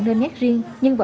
trên kênh antv